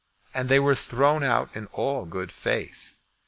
And they were thrown out in all good faith.